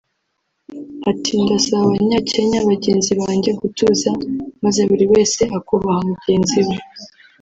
Ati“ Ndasaba Abanyakenya bagenzi banjye gutuza maze buri wese akubaha mugenzi we